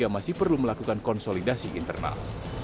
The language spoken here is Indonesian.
masih perlu melakukan konsolidasi internal